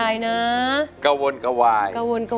อันนี้ไปทวนเนื้อ